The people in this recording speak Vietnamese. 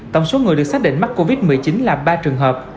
tổng số người được xác định mắc covid một mươi chín là ba trường hợp